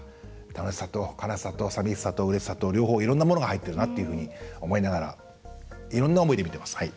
楽しさと悲しさと寂しさとうれしさと、両方いろんなものが入ってるなと思いながらいろんな思いで見てます。